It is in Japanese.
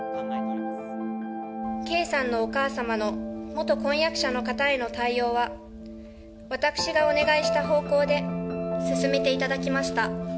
圭さんのお母様の元婚約者の方への対応は、私がお願いした方向で進めていただきました。